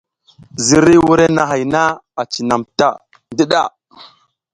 Ziriy wurenahay na cinam ta ndiɗa.